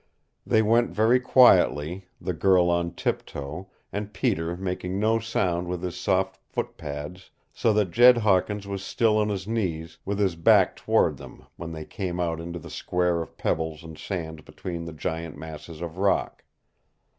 They went very quietly, the girl on tip toe, and Peter making no sound with his soft footpads, so that Jed Hawkins was still on his knees, with his back toward them, when they came out into a square of pebbles and sand between two giant masses of rock.